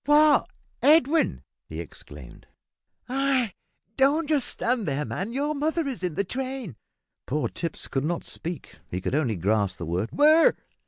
"What! Edwin!" he exclaimed. "Ay don't stand there, man. Your mother is in the train." Poor Tipps could not speak he could only gasp the word, "Where?"